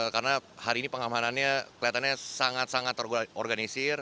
karena hari ini pengamanannya kelihatannya sangat sangat terorganisir